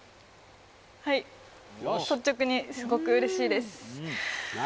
はい率直にすごく嬉しいですはあ